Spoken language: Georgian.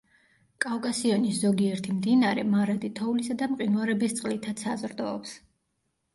კავკასიონის ზოგიერთი მდინარე მარადი თოვლისა და მყინვარების წყლითაც საზრდოობს.